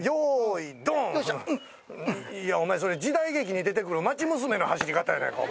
お前それ時代劇に出て来る町娘の走り方やないか。